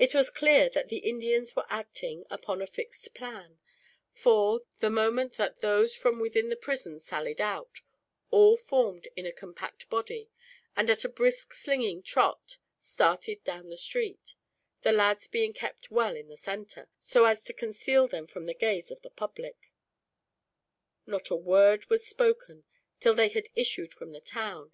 It was clear that the Indians were acting upon a fixed plan; for, the moment that those from within the prison sallied out, all formed in a compact body, and at a brisk slinging trot started down the street; the lads being kept well in the center, so as to conceal them from the gaze of the public. Not a word was spoken, till they had issued from the town.